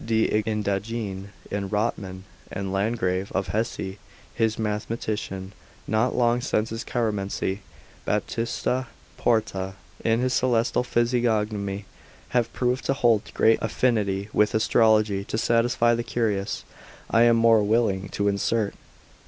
de Indagine, and Rotman, the landgrave of Hesse his mathematician, not long since in his Chiromancy; Baptista Porta, in his celestial Physiognomy, have proved to hold great affinity with astrology, to satisfy the curious, I am the more willing to insert.